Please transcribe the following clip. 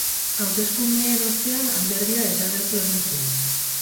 Hauteskundeen ostean alderdia desagertu egin zen.